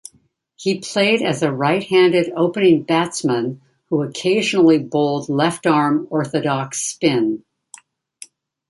He played as a right-handed opening batsman who occasionally bowled left-arm orthodox spin.